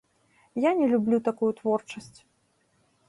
Я не люблю такую творчасць.